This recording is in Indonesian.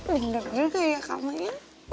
bener bener kayak kamu ya